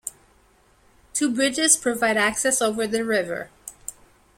Two bridges provide access over the river.